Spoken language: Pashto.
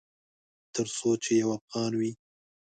ترڅو چې یو افغان وي